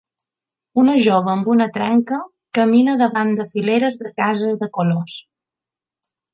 Una jove amb una trenca camina davant de fileres de cases de colors.